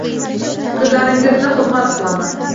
Fikrlaringizni hurmat qilaman.